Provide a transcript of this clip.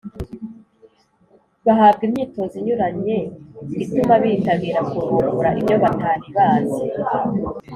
bahabwa imyitozo inyuranye ituma bitabira kuvumbura ibyo batari bazi